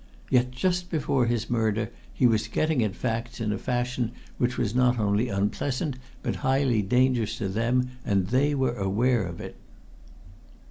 Yet, just before his murder, he was getting at facts in a fashion which was not only unpleasant but highly dangerous to them, and they were aware of it."